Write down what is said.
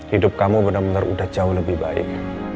hidup kamu bener bener udah jauh lebih baik